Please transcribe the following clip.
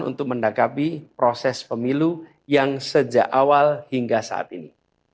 untuk mendakapi proses pemilu yang sejak awal hingga saat ini